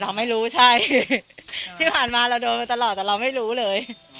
เราไม่รู้ใช่ที่ผ่านมาเราโดนมาตลอดแต่เราไม่รู้เลย